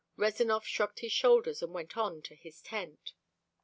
Rezanov shrugged his shoulders and went on to his tent.